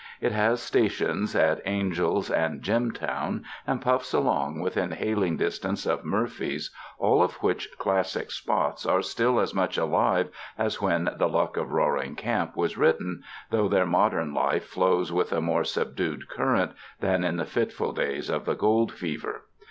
It has stations at Angel's and Jimtown, and puiTs along within hailing dis tance of Murphy's, all of which classic spots are still as much alive as when "The Luck of Roaring Camp" was written, though their modern life flows with a more subdued current than in the fitful days of the Gold Fever.